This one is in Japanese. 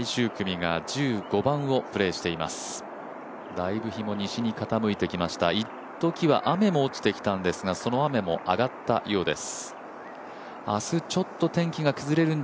だいぶ日も西に傾いてきました、一時は雨も落ちてきたんですがその雨も上がったようです。